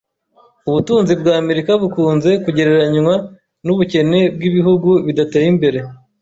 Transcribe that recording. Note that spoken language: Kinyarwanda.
Ubutunzi bwa Amerika bukunze kugereranywa nubukene bwibihugu bidateye imbere